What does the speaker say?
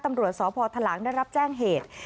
ตำรวจสพทหลังได้รับแจ้งเหตุ